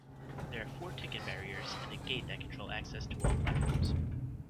There are four ticket barriers and a gate that control access to all platforms.